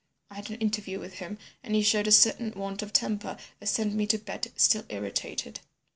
I had an interview with him, and he showed a certain want of temper that sent me to bed still irritated.